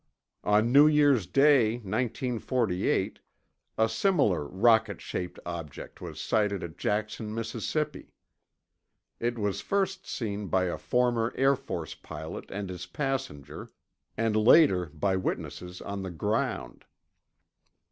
On New Year's Day, 1948, a similar rocket shaped object was sighted at Jackson, Mississippi. It was first seen by a former Air Force pilot and his passenger, and later by witnesses on the ground.